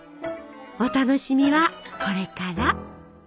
お楽しみはこれから。